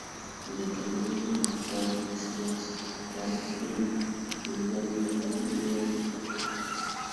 za kimungu na za kisiasa Walakini kulingana na maagizo ya Mohammed